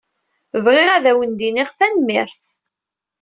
Bɣiɣ ad wen-d-iniɣ tanemmirt.